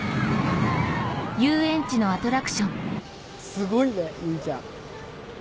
すごいね唯ちゃん。